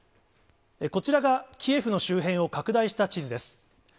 こちらがキエフの周辺を拡大した地図です。